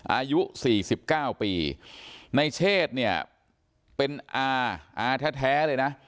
อายุสี่สิบเก้าปีนายเชศเนี่ยเป็นอาอาแท้แท้เลยนะ